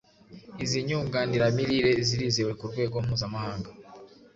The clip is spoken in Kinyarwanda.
Izi nyunganiramirire zirizewe ku rwego mpuzamahanga